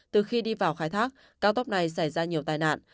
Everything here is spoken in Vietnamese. từ khi đi vào khai thác cao tốc này xảy ra nhiều tai nạn